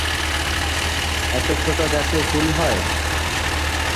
এত ছোট গাছে কুল হয়?